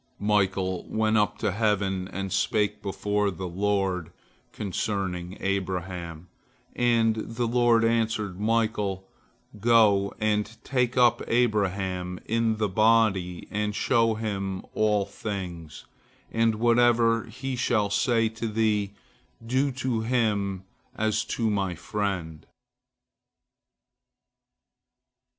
Michael went up into heaven, and spake before the Lord concerning Abraham, and the Lord answered Michael, "Go and take up Abraham in the body and show him all things, and whatever he shall say to thee, do to him as to My friend."